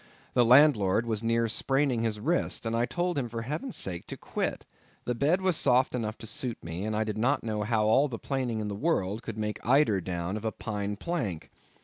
The landlord was near spraining his wrist, and I told him for heaven's sake to quit—the bed was soft enough to suit me, and I did not know how all the planing in the world could make eider down of a pine plank.